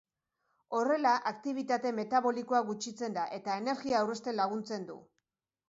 Horrela aktibitate metabolikoa gutxitzen da eta energia aurrezten laguntzen du.